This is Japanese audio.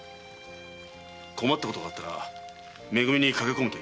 困ったことがあったらめ組に駆け込むといい。